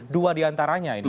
dua di antaranya ini